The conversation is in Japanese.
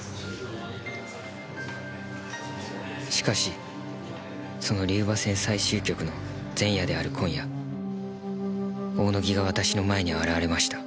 しかしその龍馬戦最終局の前夜である今夜大野木が私の前に現れました。